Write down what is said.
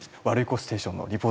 「ワルイコステーション」！？